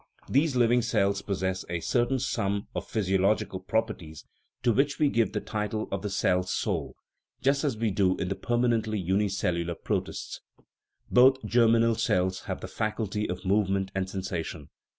These living cells possess a certain sum of physiological properties to which we give the title of the " cell soul," just as we do in the permanently unicellular protist (see p. 48). Both germinal cells have the faculty of movement and sensation.